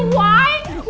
gak mau iu